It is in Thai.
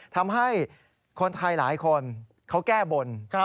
ทำให้คนไทยหลายคนเขาแก้บน